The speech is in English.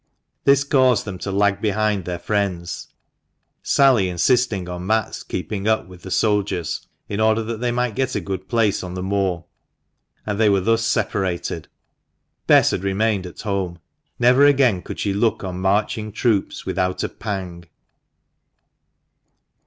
This caused them to lag behind their friends, Sally insisting on Matt's keeping up with the soldiers, in order that they might get a good place on the Moor, and they were thus separated. Bess had remained at home. Never again could she look on marching troops without a pang.